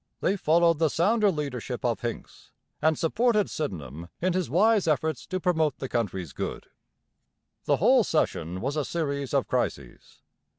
They followed the sounder leadership of Hincks and supported Sydenham in his wise efforts to promote the country's good. The whole session was a series of crises.